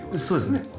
そうですね。